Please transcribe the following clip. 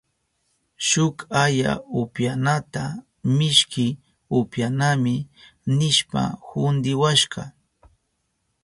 Shuk aya upyanata mishki upyanami nishpa hudiwashka.